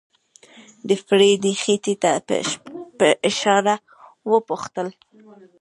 د فريدې خېټې ته په اشاره وپوښتل.